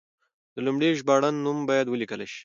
د لومړي ژباړن نوم باید ولیکل شي.